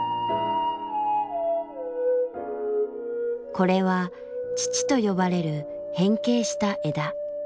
これは乳と呼ばれる変形した枝。